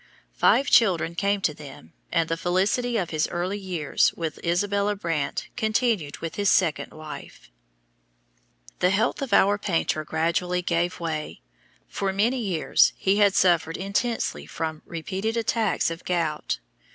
Five children came to them and the felicity of his early years with Isabella Brandt continued with his second wife. The health of our painter gradually gave way. For many years he had suffered intensely from repeated attacks of gout.